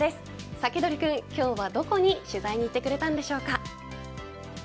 サキドリくん、今日はどこに取材に行ってくれたんでしょうか。